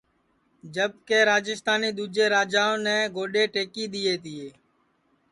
جب کہ راجیستانی دؔوجے راجاونے گودؔے ٹئکی دؔیئے تیے